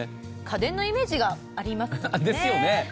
家電のイメージがありますもんね。